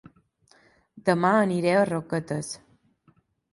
Dema aniré a Roquetes